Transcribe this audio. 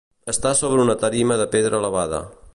Està sobre una tarima de pedra elevada.